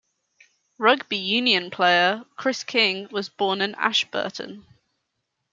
Rugby union player Chris King was born in Ashburton.